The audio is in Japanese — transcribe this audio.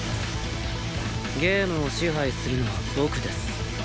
ゲームを支配するのは僕です。